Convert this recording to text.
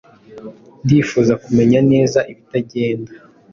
ndifuza kumenya neza ibitagenda